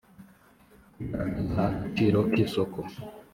kugaragaza agaciro k isoko